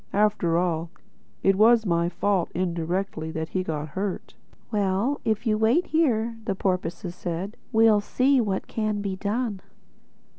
After all, it was my fault, indirectly, that he got hurt." "Well, if you wait here," said the porpoises, "we'll see what can be done."